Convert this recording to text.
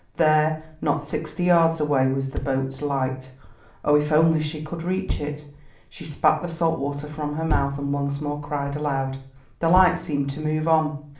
There, not sixty yards away, was the boat's light. Oh, if only she could reach it. She spat the salt water from her mouth and once more cried aloud. The light seemed to move on.